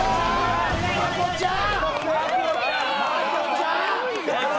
真子ちゃん！